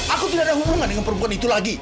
aku tidak ada hubungan dengan perempuan itu lagi